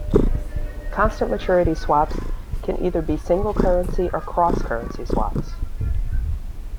Constant maturity swaps can either be single currency or cross currency swaps.